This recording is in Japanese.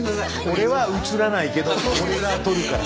俺は写らないけど俺が撮るから。